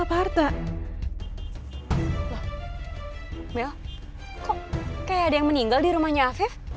kayak ada yang meninggal di rumahnya afif